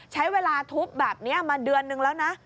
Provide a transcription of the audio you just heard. ใช้เวลาทุบแบบนี้มาเดือนนึงแล้วนะ